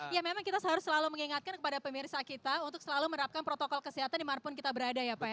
ya memang kita harus selalu mengingatkan kepada pemirsa kita untuk selalu menerapkan protokol kesehatan dimanapun kita berada ya pak ya